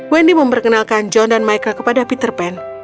wendy memperkenalkan john dan michael kepada peter pan